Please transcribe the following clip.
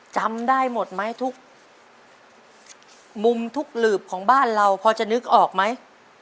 จำได้หมดไหมทุกมุมทุกหลืบของบ้านเราพอจะนึกออกไหม